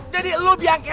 jadi lu diangker rok